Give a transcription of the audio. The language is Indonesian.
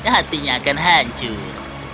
hatinya akan hancur